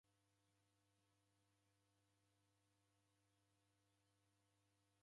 W'eke W'aw'a ndew'erenee w'asi.